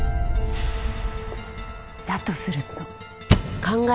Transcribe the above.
だとすると。